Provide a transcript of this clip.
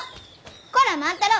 こら万太郎！